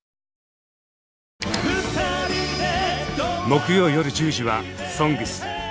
木曜夜１０時は「ＳＯＮＧＳ」。